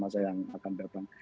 masa yang akan datang